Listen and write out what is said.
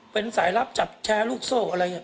เป็นสายลับจับแชร์ลูกโซ่อะไร